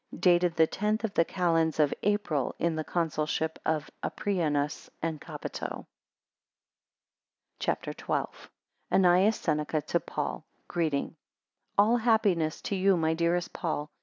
Dated the tenth of the calends of April, in the Consulship of Aprianus and Capito. CHAPTER XII. ANNAEUS SENECA to PAUL Greeting. ALL happiness to you, my dearest Paul.